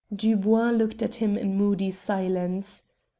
Dubois looked at him in moody silence.